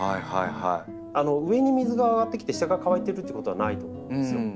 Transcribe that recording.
上に水が上がってきて下が乾いてるってことはないと思うんですよ。